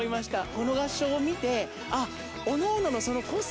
この合唱を見て。